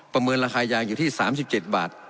ประเมินราคายางอยู่ที่สามสิบเจ็ดบาท